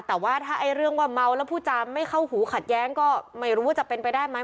แต่ว่าถ้าไอ้เรื่องว่าเมาแล้วพูดจามไม่เข้าหูขัดแย้งก็ไม่รู้ว่าจะเป็นไปได้ไหม